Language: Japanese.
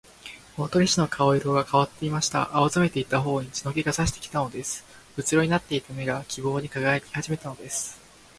大鳥氏の顔色がかわってきました。青ざめていたほおに血の気がさしてきたのです。うつろになっていた目が、希望にかがやきはじめたのです。